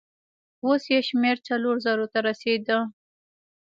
اوس يې شمېر څلورو زرو ته رسېده.